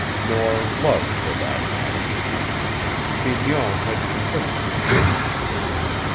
Nor love, for that matter. Mignon had convinced him of that.